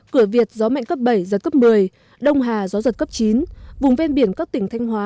cửa việt gió mạnh cấp bảy giật cấp một mươi đông hà gió giật cấp chín vùng ven biển các tỉnh thanh hóa